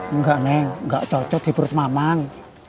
enggak neng gak cocok di perut mamang